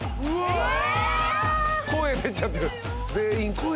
声出ちゃってる。